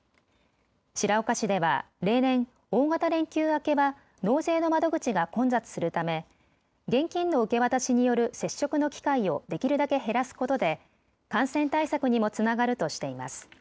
白岡市では例年、大型連休明けは納税の窓口が混雑するため現金の受け渡しによる接触の機会をできるだけ減らすことで感染対策にもつながるとしています。